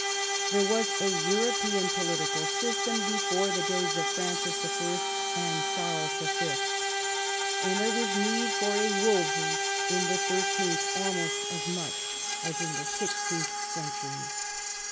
There was a European political system before the days of Francis I. and Charles V., and there was need for a Wolsey in the thirteenth almost as much as in the sixteenth century.